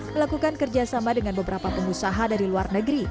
melakukan kerjasama dengan beberapa pengusaha dari luar negeri